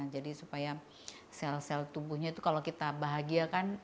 jadi supaya sel sel tubuhnya itu kalau kita bahagiakan